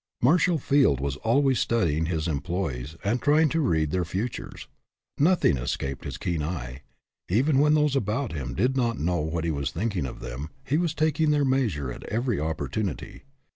Marshall Field was always studying his employees and trying to read their futures. Nothing escaped his keen eye. Even when those about him did not know that he was thinking of them, he was taking their measure at every opportunity.